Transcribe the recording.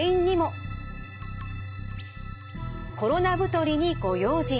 「コロナ太りにご用心！」。